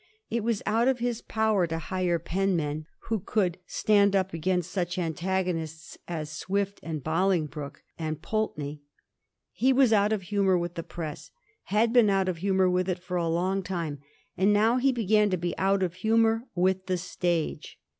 It was out of his power to hire penmen who could stand up against such antagonists as Swift and Boling broke and Pulteney. He was out of humor with the press; had been out of humor with it for a long time; and now he began to be out of humor with the stage.